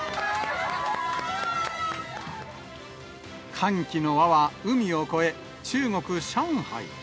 歓喜の輪は海を越え、中国・上海。